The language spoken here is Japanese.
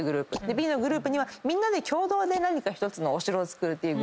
Ｂのグループはみんなで共同で何か１つのお城を作るグループをつくる。